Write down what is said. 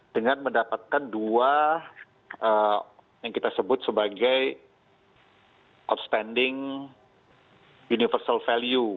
dengan mendapatkan dua yang kita sebut sebagai outstanding universal value